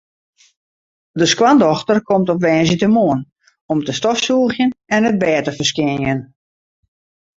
De skoandochter komt op woansdeitemoarn om te stofsûgjen en it bêd te ferskjinjen.